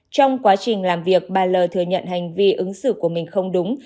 trong quá trình làm việc bà l thừa nhận hành vi ứng xử của mình không đúng